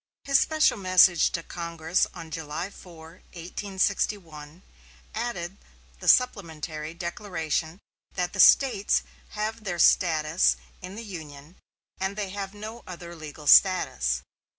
His special message to Congress on July 4, 1861, added the supplementary declaration that "the States have their status in the Union, and they have no other legal status."